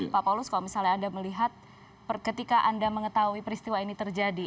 pak paulus kalau misalnya anda melihat ketika anda mengetahui peristiwa ini terjadi